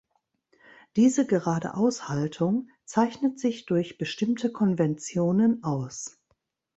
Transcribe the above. Diese Geradeaus-Haltung zeichnet sich durch bestimmte Konventionen aus.